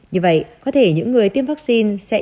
như vậy có thể những người tiêm vaccine sẽ